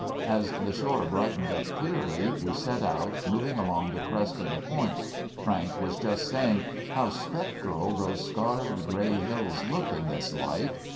As the shore brightened up clearly, we set out, moving along the crest of the point. Frank was just saying, 'How spectral those scarred gray hills look in this light!